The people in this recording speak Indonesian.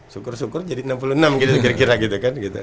syukur syukur jadi enam puluh enam gitu kira kira gitu kan gitu